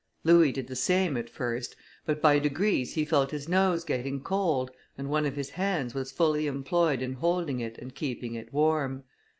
Louis did the same at first, but by degrees he felt his nose getting cold, and one of his hands was fully employed in holding it and keeping it warm.